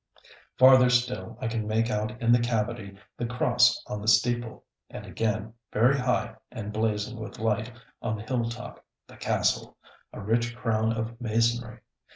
Farther still I can make out in the cavity the cross on the steeple; and again, very high and blazing with light on the hill top, the castle, a rich crown of masonry.